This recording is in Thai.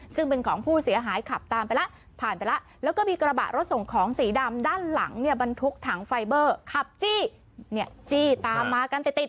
ซึ่งเป็นของผู้เสียหายขับตามไปแล้วผ่านไปแล้วแล้วก็มีกระบะรถส่งของสีดำด้านหลังเนี่ยบรรทุกถังไฟเบอร์ขับจี้เนี่ยจี้ตามมากันติดติด